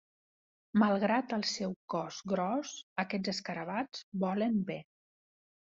Malgrat el seu cos gros, aquests escarabats volen bé.